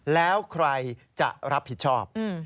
แล้วใครจะรับผิดชอบ